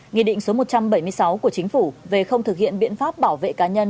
nghị định số một trăm bảy mươi sáu của chính phủ về không thực hiện biện pháp bảo vệ cá nhân